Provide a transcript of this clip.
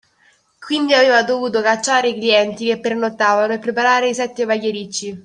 Quindi aveva dovuto cacciare i clienti che pernottavano e preparare sette pagliericci